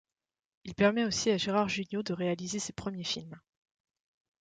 Il permet aussi à Gérard Jugnot de réaliser ses premiers films.